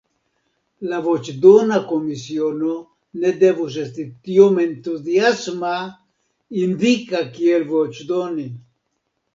La voĉdona komisiono ne devus esti tiom entuziasma, indika kiel voĉdoni.